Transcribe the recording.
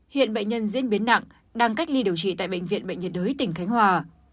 hiện bệnh nhân diễn biến nặng đang cách ly điều trị tại bệnh viện bệnh nhiệt đới tỉnh khánh hòa